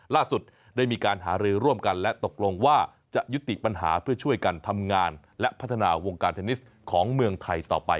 ล่าสุดได้มีการหารือร่วมกันและตกลงว่าจะยุติปัญหาเพื่อช่วยกันทำงานและพัฒนาวงการเทนนิสของเมืองไทยต่อไป